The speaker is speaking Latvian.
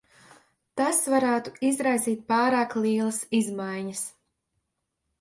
Tas varētu izraisīt pārāk lielas izmaiņas.